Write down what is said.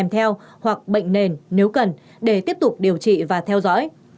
theo hoặc bệnh nền nếu cần để tiếp tục điều trị và theo dõi